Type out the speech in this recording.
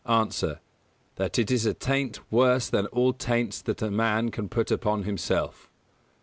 _ A. That it is a taint worse than all taints that a man can put upon himself.